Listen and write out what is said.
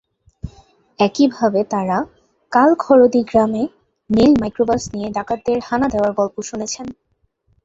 একইভাবে তাঁরা কালখরদী গ্রামে নীল মাইক্রোবাস নিয়ে ডাকাতদের হানা দেওয়ার গল্প শুনেছেন।